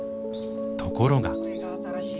ところが。